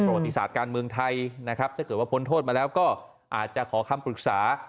ประวัติศาสตร์การเมืองไทยนะครับถ้าเกิดว่าพ้นโทษมาแล้วก็อาจจะขอคำปรึกษา